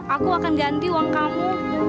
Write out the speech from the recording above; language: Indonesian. aku akan ganti uang kamu